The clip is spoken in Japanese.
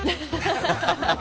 ハハハハ。